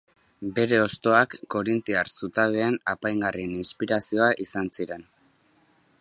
Bere hostoak korintiar zutabeen apaingarrien inspirazioa izan ziren.